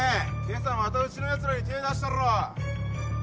今朝またうちのやつらに手ぇ出したろ！